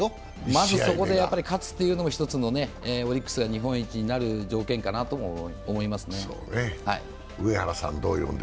まずそこで勝つというのも一つのオリックスが日本一になる条件かなとも思います。